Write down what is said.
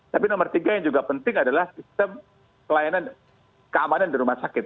tapi nomor tiga yang juga penting adalah sistem keamanan di rumah sakit